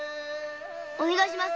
お願いします。